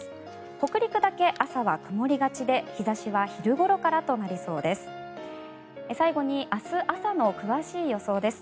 北陸だけ朝は曇りがちで日差しは昼ごろからとなりそうです。